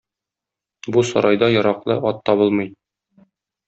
Бу сарайда яраклы ат табылмый.